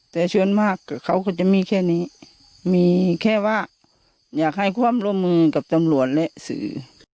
แต่ส่วนมากเขาก็จะมีแค่นี้มีแค่ว่าอยากให้ความร่วมมือกับตำรวจและสื่อ